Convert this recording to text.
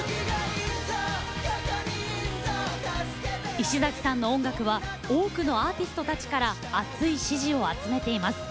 石崎さんの音楽は多くのアーティストたちから厚い支持を集めています。